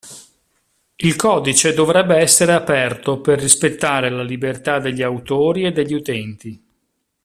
Il codice dovrebbe essere aperto per rispettare la libertà degli autori e degli utenti.